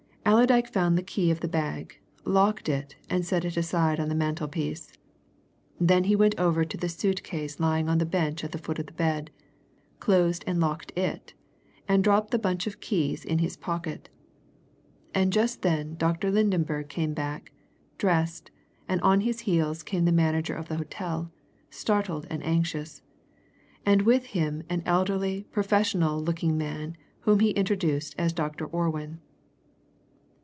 Allerdyke found the key of the bag, locked it, and set it aside on the mantelpiece. Then he went over to the suit case lying on the bench at the foot of the bed, closed and locked it, and dropped the bunch of keys in his pocket. And just then Dr. Lydenberg came back, dressed, and on his heels came the manager of the hotel, startled and anxious, and with him an elderly professional looking man whom he introduced as Dr. Orwin.